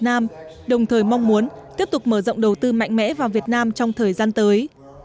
nam đồng thời mong muốn tiếp tục mở rộng đầu tư mạnh mẽ vào việt nam trong thời gian tới